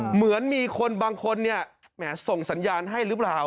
เหมือนมีคนบางคนเนี่ยแหมส่งสัญญาณให้หรือเปล่า